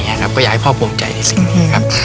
ก็อยากให้พ่อภูมิใจในสิ่งนี้ครับ